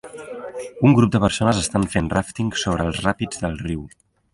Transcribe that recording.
Un grup de persones estan fent rafting sobre els ràpids del riu.